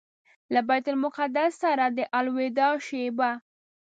له بیت المقدس سره د الوداع شېبه.